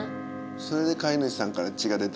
それで飼い主さんから血が出た。